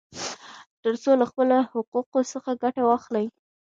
ترڅو له خپلو حقوقو څخه ګټه واخلي.